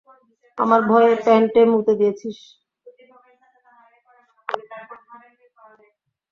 আমার ভয়ে প্যান্টে মুতে দিয়েছিস।